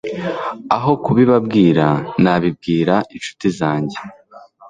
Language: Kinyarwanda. aho kubibabwira nabibwira incuti zanjye